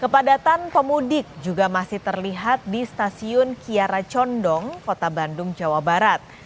kepadatan pemudik juga masih terlihat di stasiun kiara condong kota bandung jawa barat